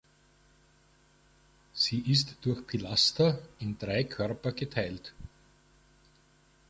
Sie ist durch Pilaster in drei Körper geteilt.